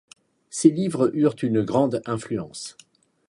Ses livres eurent une grande influence.